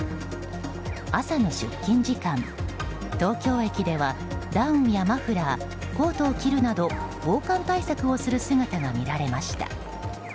朝の出勤時間、東京駅ではダウンやマフラーコートを着るなど防寒対策をする人の姿が見られました。